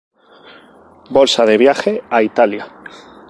Bolsa de Viaje a Italia.